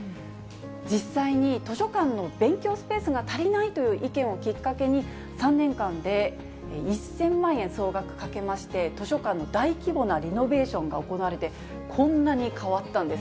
実際に図書館の勉強スペースが足りないという意見をきっかけに、３年間で１０００万円、総額かけまして、図書館の大規模なリノベーションが行われて、こんなに変わったんです。